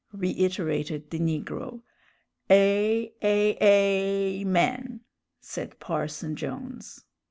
_" reiterated the negro. "A a amen!" said Parson Jones.